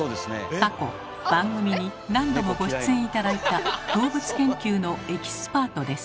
過去番組に何度もご出演頂いた動物研究のエキスパートです。